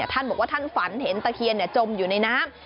ท่านบอกว่าท่านฝันเห็นตะเคียนจมอยู่ในน้ำ